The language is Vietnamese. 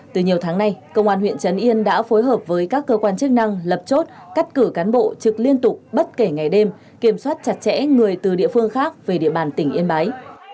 từ nhiều tháng nay công an huyện trấn yên đã phối hợp với các cơ quan chức năng lập chốt cắt cử cán bộ trực liên tục bất kể ngày đêm kiểm soát chặt chẽ người từ địa phương khác về địa bàn tỉnh yên bái